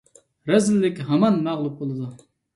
رەزىللىك ھامان مەغلۇپ بولىدۇ!